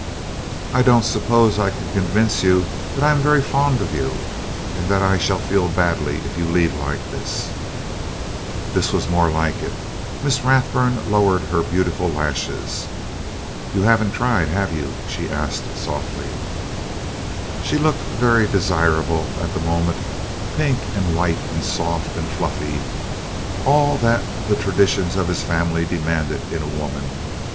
"I don't suppose I can convince you that I am very fond of you, and that I shall feel badly if you leave like this?" This was more like it: Miss Rathburn lowered her beautiful lashes. "You haven't tried, have you?" she asked softly. She looked very desirable at the moment pink and white and soft and fluffy all that the traditions of his family demanded in a woman.